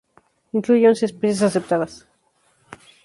Incluye once especies aceptadas.